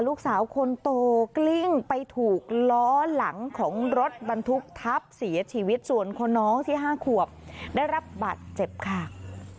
ลูกสาวคนโตกลิ้งไปถูกล้อหลังของรถบรรทุกทับเสียชีวิตส่วนคนน้องที่๕ขวบได้รับบาดเจ็บค่ะ